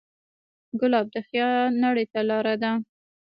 ګلاب د خیال نړۍ ته لاره ده.